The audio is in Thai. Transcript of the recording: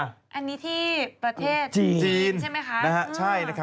อันนี้ที่ประเทศจีนใช่ไหมคะ